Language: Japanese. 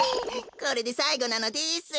これでさいごなのです。